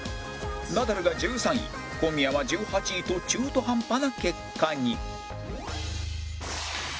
ナダルが１３位小宮は１８位と中途半端な結果に